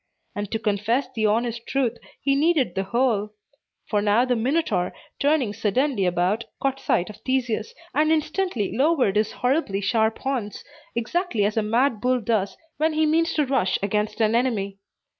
And to confess the honest truth, he needed the whole; for now the Minotaur, turning suddenly about, caught sight of Theseus, and instantly lowered his horribly sharp horns, exactly as a mad bull does when he means to rush against an enemy.